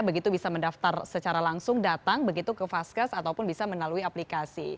begitu bisa mendaftar secara langsung datang begitu ke vaskes ataupun bisa melalui aplikasi